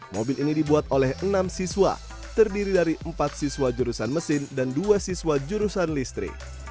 mobil ini dibuat oleh enam siswa terdiri dari empat siswa jurusan mesin dan dua siswa jurusan listrik